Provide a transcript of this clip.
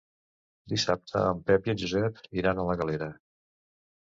Dissabte en Pep i en Josep iran a la Galera.